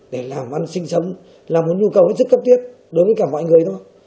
để làm văn sinh sống là một nhu cầu rất cấp tiết đối với cả mọi người thôi